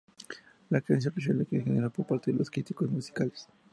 La canción recibió elogios en general por parte de los críticos musicales.